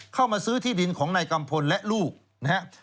เข้ามาซื้อที่ดินของนายกัมพลและลูกนะครับ